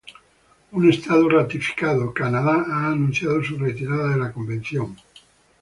Un Estado ratificado -Canadá- ha anunciado su retirada de la convención.